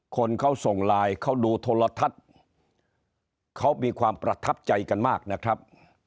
คนเขาส่งไลน์เขาดูโทรทัศน์เขามีความประทับใจกันมากนะครับ